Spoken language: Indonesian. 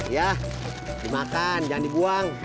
iya dimakan jangan diguang